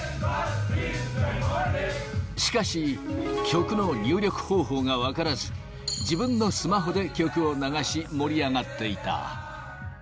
しかし、曲の入力方法が分からず、自分のスマホで曲を流し、盛り上がっていた。